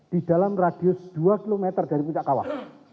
di dalam radius dua km dari puncak kawah